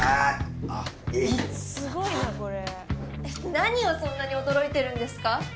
何をそんなに驚いてるんですか？